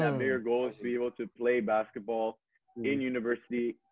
dan tujuan yang lebih besar adalah bisa main basketball di universitas